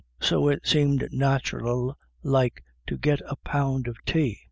So it seemed nathural like to git a pound of tay.